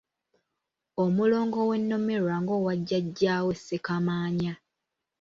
Omulongo we Nnomerwa ng'owa jjajjaawe Ssekamaanya.